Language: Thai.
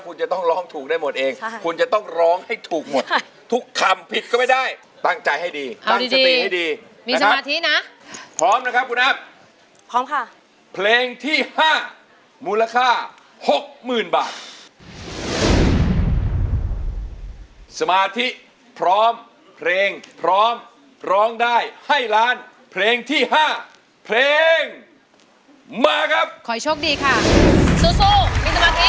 คุณจะต้องร้องถูกได้หมดเองคุณจะต้องร้องให้ถูกหมดทุกคำผิดก็ไม่ได้ตั้งใจให้ดีตั้งสติให้ดีมีสมาธินะพร้อมนะครับคุณอัพพร้อมค่ะเพลงที่ห้ามูลค่าหกหมื่นบาทสมาธิพร้อมเพลงพร้อมร้องได้ให้ล้านเพลงที่ห้าเพลงมาครับขอโชคดีค่ะสู้สู้มีสมาธิ